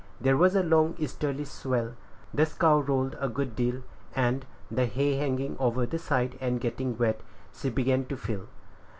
There was a long easterly swell; the scow rolled a good deal, and, the hay hanging over the side and getting wet, she began to fill.